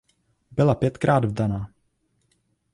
Byla pětkrát vdaná.